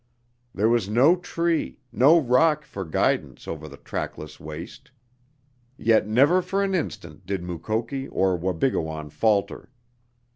There was no tree, no rock for guidance over the trackless waste, yet never for an instant did Mukoki or Wabigoon falter.